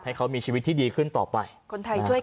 ให้เขามีชีวิตที่ดีขึ้นต่อไปคนไทยช่วยกัน